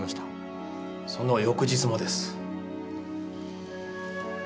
その翌日もです。